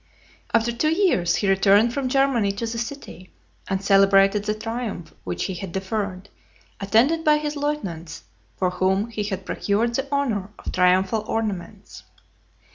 XX. After two years, he returned from Germany to the city, and celebrated the triumph which he had deferred, attended by his lieutenants, for whom he had procured the honour of triumphal ornaments .